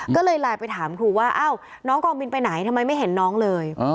ก็เลยไลน์ไปถามครูว่าน้องกองบินไปไหนทำไมไม่เห็นน้องเลย